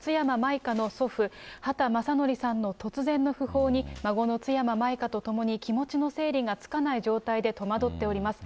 弊社所属の津山舞花の祖父、畑正憲さんの突然の訃報に、孫の津山舞花と共に気持ちの整理がつかない状態で戸惑っております。